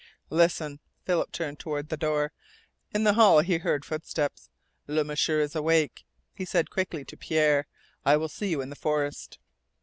"Listen!" Philip turned toward the door. In the hall he heard footsteps. "Le M'sieur is awake," he said quickly to Pierre. "I will see you in the forest!"